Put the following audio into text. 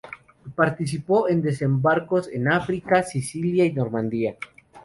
Participó en desembarcos en África, Sicilia y Normandía.